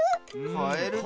カエルだ。